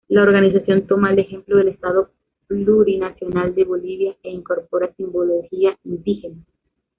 La organización toma el ejemplo del Estado Plurinacional de Bolivia e incorpora simbología indígena.